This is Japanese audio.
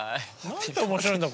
何て面白いんだ